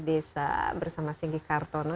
desa bersama singgi kartono